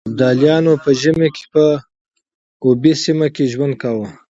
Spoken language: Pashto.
ابدالیانو په ژمي کې په اوبې سيمه کې ژوند کاوه.